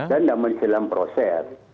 dan dalam proses